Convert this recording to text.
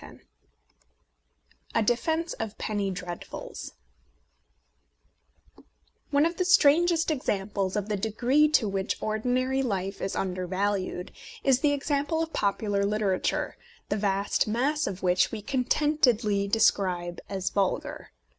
A DEFENCE OF PENNY DREADFULS ONE of the strangest examples of the degree to which ordinary life is un dervalued is the example of popular litera ture, the vast mass of which we contentedly describe as vulgar.